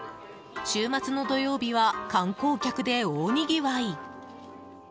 週末の土曜日は観光客で大にぎわい。